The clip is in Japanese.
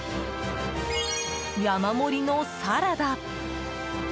山盛りのサラダ。